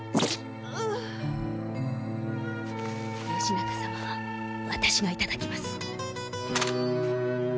義仲様は私が頂きます。